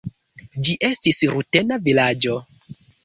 Ĝi estis rutena vilaĝo.